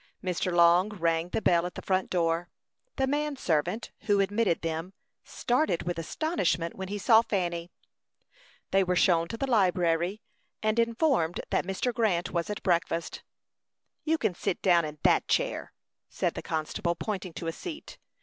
Mr. Long rang the bell at the front door. The man servant, who admitted them, started with astonishment when he saw Fanny. They were shown to the library, and informed that Mr. Grant was at breakfast. "You can sit down in that chair," said the constable, pointing to a seat.